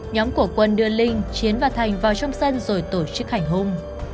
nhóm của quân đưa linh chiến và thành vào trong sân rồi tổ chức hành hung